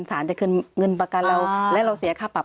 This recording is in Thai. สารจะคืนเงินประกันเราและเราเสียค่าปรับ